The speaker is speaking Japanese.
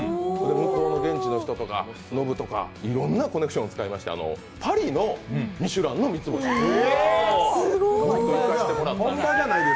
向こうの現地の人とかノブとかいろいろなコネクション使いましてパリのミシュランの三つ星に行かせてもらったんです。